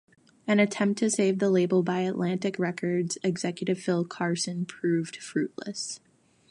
An attempt to save the label by Atlantic Records executive Phil Carson proved fruitless.